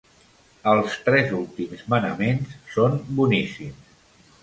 Els tres últims manaments són boníssims.